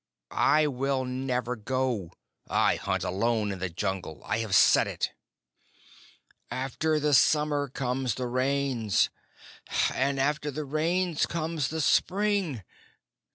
"I will never go. I will hunt alone in the Jungle. I have said it." "After the summer come the Rains, and after the Rains comes the spring.